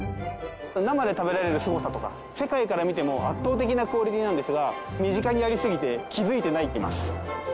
生で食べられるすごさとか世界から見ても圧倒的なクオリティーなんですが身近にありすぎて気づいてない。